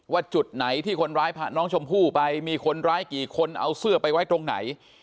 จุดไหนที่คนร้ายพาน้องชมพู่ไปมีคนร้ายกี่คนเอาเสื้อไปไว้ตรงไหน